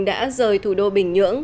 đã rời thủ đô bình nhưỡng